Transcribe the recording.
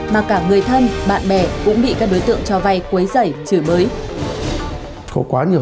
mà cả người thân bạn bè cũng bị các đối tượng cho vay quấy rẩy chửi mới